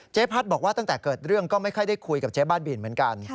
พัฒน์บอกว่าตั้งแต่เกิดเรื่องก็ไม่ค่อยได้คุยกับเจ๊บ้าบินเหมือนกัน